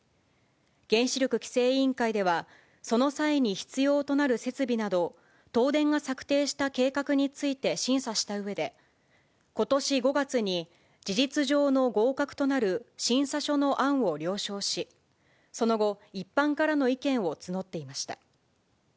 原子力規制委員会では、その際に必要となる設備など、東電が策定した計画について審査したうえで、ことし５月に事実上の合格となる審査書の案を了承し、その後、一般からの意見を募っていました。